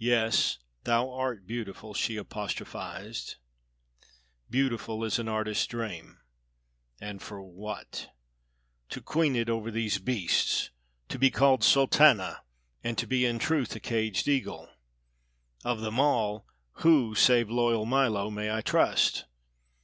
"Yes, thou art beautiful!" she apostrophised. "Beautiful as an artist's dream. And for what? To queen it over these beasts! To be called Sultana, and to be in truth a caged eagle. Of them all, who save loyal Milo may I trust?